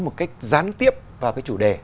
một cách gián tiếp vào cái chủ đề